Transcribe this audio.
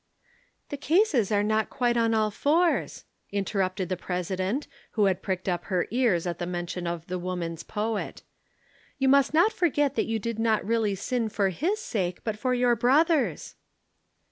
'" "The cases are not quite on all fours," interrupted the President who had pricked up her ears at the mention of the "Woman's Poet." "You must not forget that you did not really sin for his sake but for your brother's."